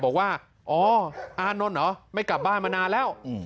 บอกว่าอ๋ออานนท์เหรอไม่กลับบ้านมานานแล้ว